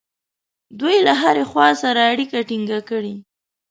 دوی له هرې خوا سره اړیکه ټینګه کړي.